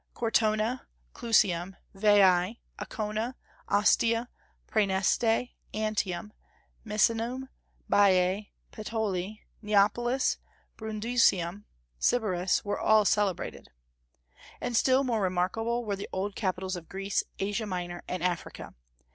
Cortona, Clusium, Veii, Ancona, Ostia, Praeneste, Antium, Misenum, Baiae, Puteoli, Neapolis, Brundusium, Sybaris, were all celebrated. And still more remarkable were the old capitals of Greece, Asia Minor, and Africa.